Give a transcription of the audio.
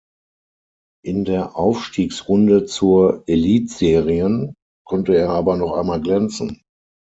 In der Aufstiegsrunde zur Elitserien konnte er aber noch einmal glänzen.